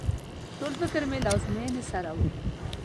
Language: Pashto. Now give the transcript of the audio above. ټول فکر مې له ازموينې سره و.